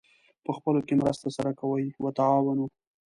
پخپلو کې مرسته سره کوئ : وتعاونوا